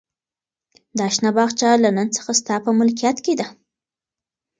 دا شنه باغچه له نن څخه ستا په ملکیت کې ده.